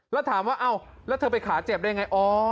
แล้วถามว่าอ้าวแล้วเธอไปขาเจ็บได้ไง